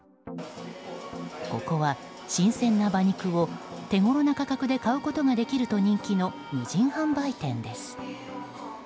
ここは新鮮な馬肉を手ごろな価格で買うことができると人気の無人販売店です。